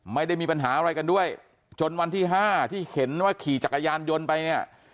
ไม่ได้มีปัญหาอะไรกันด้วยจนวันที่ห้าที่เห็นว่าขี่จักรยานยนต์ไปเนี่ย